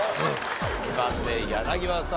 ２番目柳葉さん